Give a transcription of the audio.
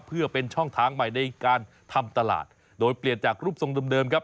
เพื่อเป็นช่องทางใหม่ในการทำตลาดโดยเปลี่ยนจากรูปทรงเดิมครับ